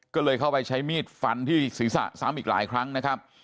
ก็เลยเข้าไปใช้มีดฟันที่ศีรษะซ้ำอีกหลายครั้งนะครับ